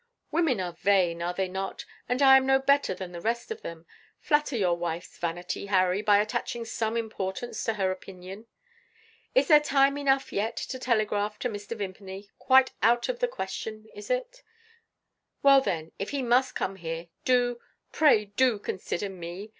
Women are vain are they not? and I am no better than the rest of them. Flatter your wife's vanity, Harry, by attaching some importance to her opinion. Is there time enough, yet, to telegraph to Mr. Vimpany? Quite out of the question, is it? Well, then, if he must come here, do pray, pray do consider Me.